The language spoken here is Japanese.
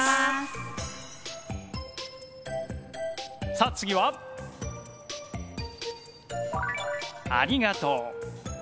さあ次はありがとう。